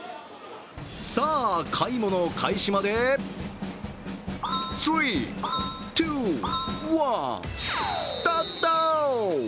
さあ、買い物開始まで３、２、１、スタート！